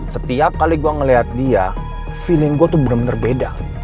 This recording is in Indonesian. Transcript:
setiap kali gue ngeliat dia feeling gue tuh bener bener beda